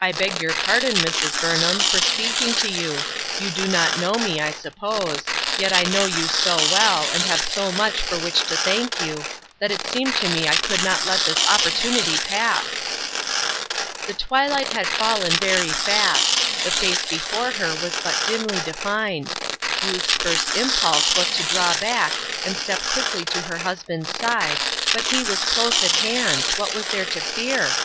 I beg your pardon, Mrs. Burnham, for speaking to you ; you do not know me, I suppose, but I know you so well, and have so much for which to thank you, that it seemed to me I could not let this opportunity pass." The twilight had fallen very fast ; the face before her was but dimly defined ; Ruth's first impulse was to draw back, and step quickly to her husband's side, but he was close at hand. What was there to fear